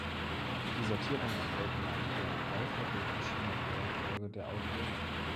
Die Sortierung erfolgt nach der alphabetischen Reihenfolge der Autoren.